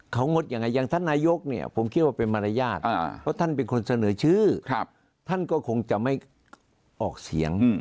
เขางดยังไงอย่างท่านนายกเนี่ยผมคิดว่าเป็นมารยาทเพราะท่านเป็นคนเสนอชื่อท่านก็คงจะไม่ออกเสียง